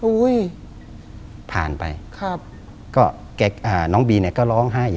อุ้ยผ่านไปน้องบีแล้วก็ร้องไห้